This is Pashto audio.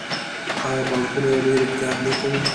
آیا بانکونه یې ډیر احتیاط نه کوي؟